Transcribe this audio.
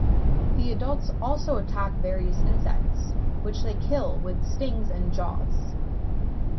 The adults also attack various insects, which they kill with stings and jaws.